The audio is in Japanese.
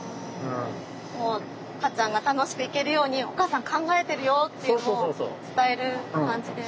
もうかっちゃんが楽しく行けるように「お母さん考えてるよ」っていうのを伝える感じで。